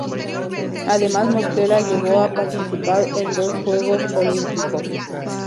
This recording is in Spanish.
Además Mosquera llegó a participar en dos Juegos Olímpicos.